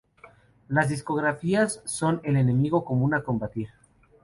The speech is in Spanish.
las discográficas son el enemigo común a combatir